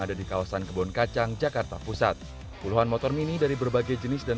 ada di kawasan kebon kacang jakarta pusat puluhan motor mini dari berbagai jenis dan